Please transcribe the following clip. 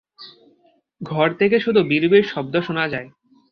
ঘর থেকে শুধু বিড়বিড় শব্দ শোনা যায়।